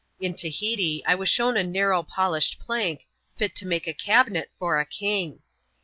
In Tahiti, I was shown a narrow, polished plank, fit to make a cabinet for a king.